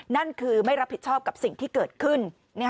นั่นคือไม่รับผิดชอบกับสิ่งที่เกิดขึ้น